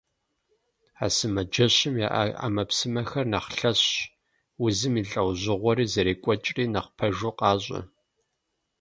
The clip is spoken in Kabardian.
А сымаджэщым яӀэ Ӏэмэпсымэхэр нэхъ лъэщщ, узым и лӀэужьыгъуэри зэрекӀуэкӀри нэхъ пэжу къащӀэ.